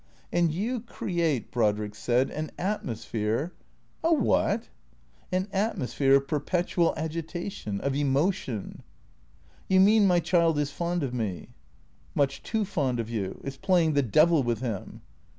" And you create," Brodrick said, " an atmosphere "" A what ?"" An atmosphere of perpetual agitation — of emotion "" You mean my child is fond of me." " Much too fond of you. It 's playing the devil with him."